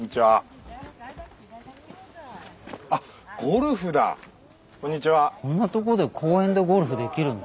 スタジオこんなとこで公園でゴルフできるんだ？